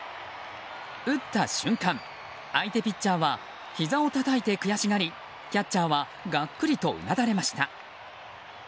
打った瞬間、相手ピッチャーはひざをたたいて悔しがりキャッチャーはがっくりとうなだれました。